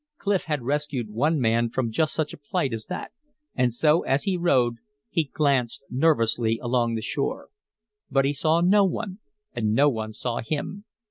Clif had rescued one man from just such a plight as that; and so as he rowed he glanced nervously along the shore. But he saw no one, and no one saw him.